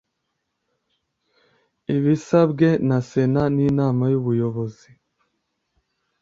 Ibisabwe na Sena n’Inama y’Ubuyobozi